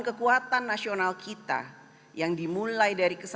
kekuatan nasional kita yang dimiliki oleh pemerintah indonesia